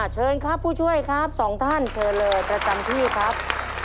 เชิญครับผู้ช่วยครับสองท่านเชิญเลยประจำที่ครับ